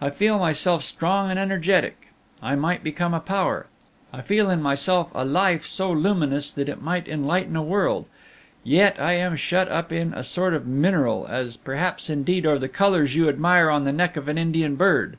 I feel myself strong and energetic; I might become a power; I feel in myself a life so luminous that it might enlighten a world, and yet I am shut up in a sort of mineral, as perhaps indeed are the colors you admire on the neck of an Indian bird.